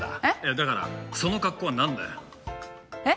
だからその格好はなんだよ？えっ？